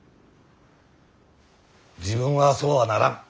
自分はそうはならん。